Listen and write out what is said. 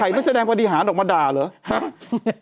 ไม่แสดงปฏิหารออกมาด่าเหรอ